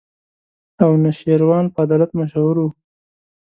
انوشېروان په عدالت مشهور وو.